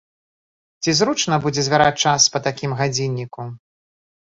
Ці зручна будзе звяраць час па такім гадзінніку?